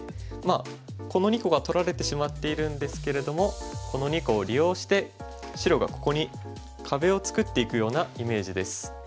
まあこの２個が取られてしまっているんですけれどもこの２個を利用して白がここに壁を作っていくようなイメージです。